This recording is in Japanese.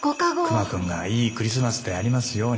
熊くんがいいクリスマスでありますように。